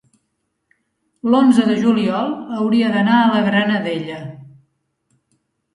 l'onze de juliol hauria d'anar a la Granadella.